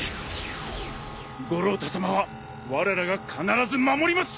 五郎太さまはわれらが必ず守ります！